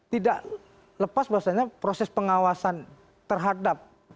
tidak lepas bahwasannya proses pengawasan terhadap